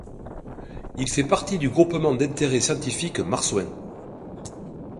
Il fait partie du groupement d'intérêt scientifique Marsouin.